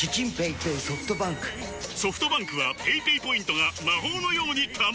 ソフトバンクはペイペイポイントが魔法のように貯まる！